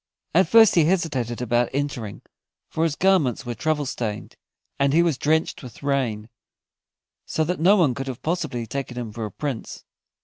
At first he hesitated about entering, for his garments were travel stained, and he was drenched with rain, so that no one could have possibly taken him for a Prince.